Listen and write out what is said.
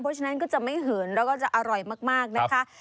เพราะฉะนั้นก็จะไม่เหินแล้วก็จะอร่อยมากนะคะ